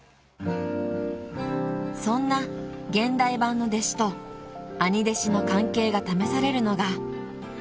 ［そんな現代版の弟子と兄弟子の関係が試されるのが］